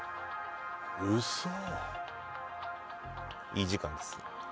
いい時間です。